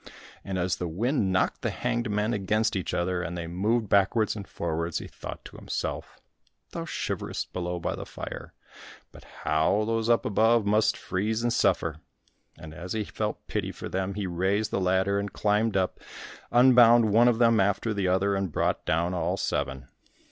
And as the wind knocked the hanged men against each other, and they moved backwards and forwards, he thought to himself "Thou shiverest below by the fire, but how those up above must freeze and suffer!" And as he felt pity for them, he raised the ladder, and climbed up, unbound one of them after the other, and brought down all seven.